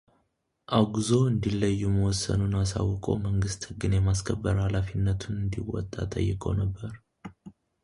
አውግዞ እንዲለዩ መወሰኑን አሳውቆ መንግሥት ሕግን የማስከበር ኃላፊነቱን እንዲወጣ ጠይቆ ነበር።